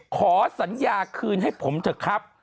ขอสัญญาคืนให้ผมเถอะครับ